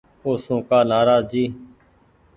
اوسون ڪآ نآراز جي ۔